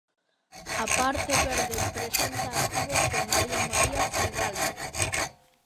A parte verde presenta artigos de María María Fidalgo.